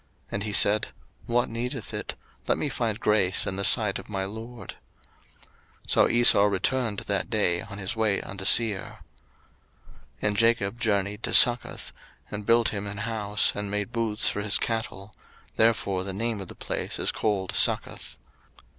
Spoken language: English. And he said, What needeth it? let me find grace in the sight of my lord. 01:033:016 So Esau returned that day on his way unto Seir. 01:033:017 And Jacob journeyed to Succoth, and built him an house, and made booths for his cattle: therefore the name of the place is called Succoth.